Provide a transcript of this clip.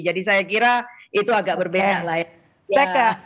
jadi saya kira itu agak berbeda lah ya